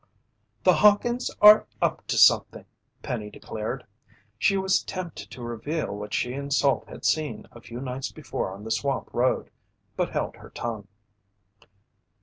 "The Hawkins' are up to something!" Penny declared. She was tempted to reveal what she and Salt had seen a few nights before on the swamp road, but held her tongue.